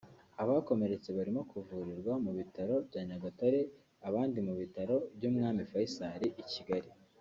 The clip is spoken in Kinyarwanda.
Abakomeretse barimo kuvurirwa mu bitaro bya Nyagatare abandi mu bitaro bw’umwami Faisal i Kigali